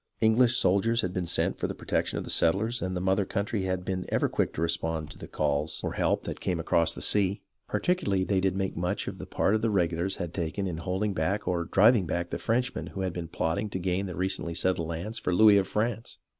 English soldiers had been sent for the protection of the settlers, and the mother country had ever been quick to respond to the calls for help that came across the sea. Particularly did they make much of the part the regulars had taken in holding back or driving back the Frenchmen who had been plotting to gain the recently settled lands for Louis of France.